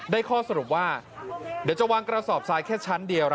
ข้อสรุปว่าเดี๋ยวจะวางกระสอบทรายแค่ชั้นเดียว